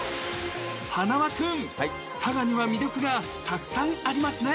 はなわ君、佐賀には魅力がたくさんありますね。